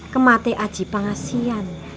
cuman di antaranya nggak chok